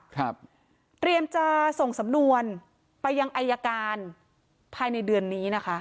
เตรียมจะส่งสำนวนไปยังอายการภายในเดือนนี้นะคะ